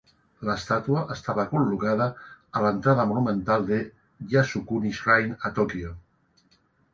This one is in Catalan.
L'estàtua estava col·locada a l'entrada monumental de Yasukuni Shrine, a Tokyo.